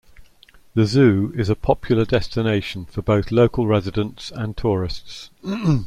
The zoo is a popular destination for both local residents and tourists.